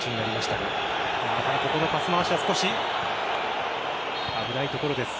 ただ、ここのパス回しは少し危ないところです。